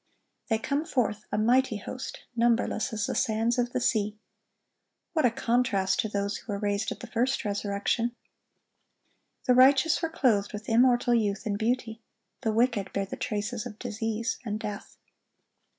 They come forth, a mighty host, numberless as the sands of the sea. What a contrast to those who were raised at the first resurrection! The righteous were clothed with immortal youth and beauty. The wicked bear the traces of disease and death.